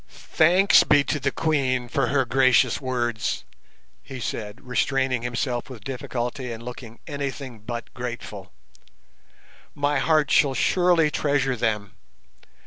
"Thanks be to the Queen for her gracious words," he said, restraining himself with difficulty and looking anything but grateful, "my heart shall surely treasure them.